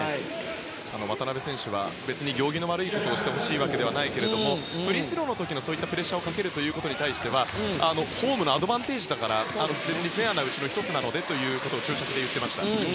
渡邊選手は行儀の悪いことをしてほしいわけではないけどもフリースローの時にプレッシャーをかけるということはホームのアドバンテージだからフェアなうちの１つなのでと言っていました。